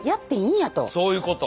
そういうこと。